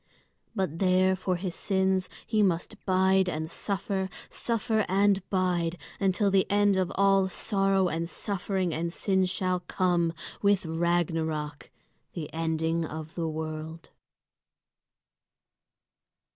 But there for his sins he must bide and suffer, suffer and bide, until the end of all sorrow and suffering and sin shall come, with Ragnarök, the ending of the world.